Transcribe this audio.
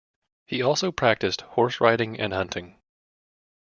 He also practiced horse-riding and hunting.